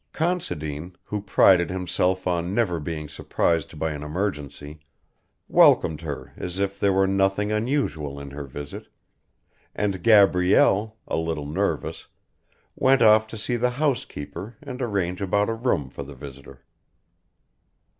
Considine, who prided himself on never being surprised by an emergency, welcomed her as if there were nothing unusual in her visit, and Gabrielle, a little nervous, went off to see the housekeeper, and arrange about a room for the visitor.